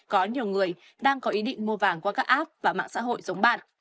có nhiều người đang có ý định mua vàng qua các app và mạng xã hội giống bạn